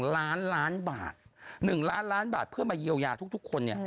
ล้านล้านบาท๑ล้านล้านบาทเพื่อมาเยียวยาทุกคน